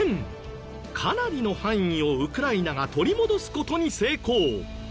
かなりの範囲をウクライナが取り戻す事に成功。